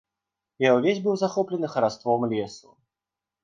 Я ўвесь быў захоплены хараством лесу.